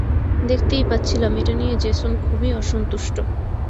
দেখতেই পাচ্ছিলাম, এটা নিয়ে জেসন খুবই অসন্তুষ্ট।